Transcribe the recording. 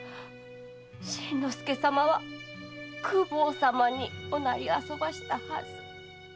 新之助様は公方様におなりあそばしたはず。